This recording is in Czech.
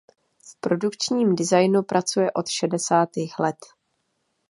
V produkčním designu pracuje od šedesátých let.